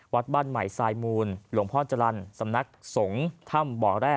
วัดบ้านใหม่ทรายมูลหลวงพ่อจรรย์สำนักสงฆ์ถ้ำบ่อแร่